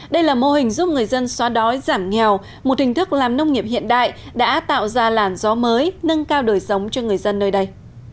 đây là mô hình giúp người dân xóa đói giảm nghèo một hình thức làm nông nghiệp hiện đại đã tạo ra làn gió mới nâng cao đời sống cho người dân nơi đây